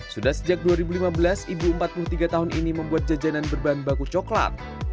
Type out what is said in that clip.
sudah sejak dua ribu lima belas ibu empat puluh tiga tahun ini membuat jajanan berbahan baku coklat